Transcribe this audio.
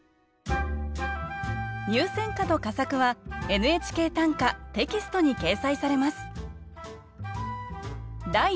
入選歌と佳作は「ＮＨＫ短歌」テキストに掲載されます。